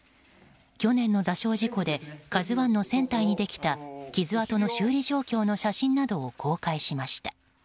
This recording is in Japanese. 去年の座礁事故で「ＫＡＺＵ１」の船体にできた傷跡の修理状況の写真などを公開しました。